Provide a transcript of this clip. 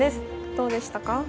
どうでしたか。